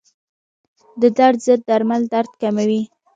د درد ضد درمل درد کموي.